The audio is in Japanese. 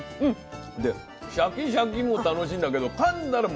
でシャキシャキも楽しいんだけどかんだら